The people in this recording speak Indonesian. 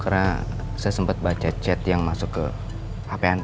karena saya sempat baca chat yang masuk ke hp anda